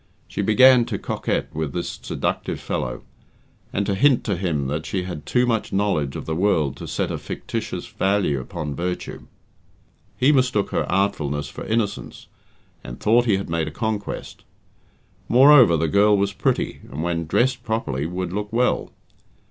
She began to coquet with this seductive fellow, and to hint to him that she had too much knowledge of the world to set a fictitious value upon virtue. He mistook her artfulness for innocence, and thought he had made a conquest. Moreover, the girl was pretty, and when dressed properly, would look well.